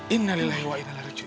innalillah hiwa innala rujun